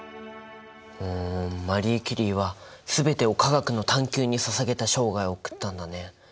おマリー・キュリーは全てを科学の探究にささげた生涯を送ったんだね。